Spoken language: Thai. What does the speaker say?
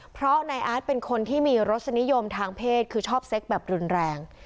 เพราะนายอาร์ตเป็นคนที่มีรสนิยมทางเพศคือชอบเซ็กแบบรุนแรง